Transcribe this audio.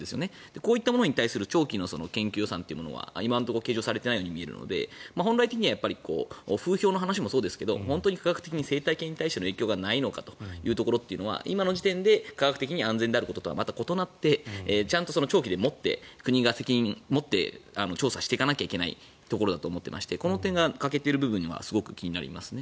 こういったものに対する長期の研究予算というのは今のところ計上されていないように見えるので本来的には風評の話もそうですが本当に科学的に生態系への影響がないのかというところというのは今の時点で科学的に安全であることはまた異なってちゃんと長期で国が責任を持って調査していかないといけないところだと思っていましてこの点が欠けている部分がすごく気になります。